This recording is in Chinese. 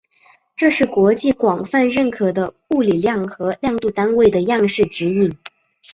这是国际广泛认可的物理量和量度单位的样式指引。